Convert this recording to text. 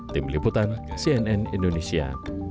tim liputan cnn indonesia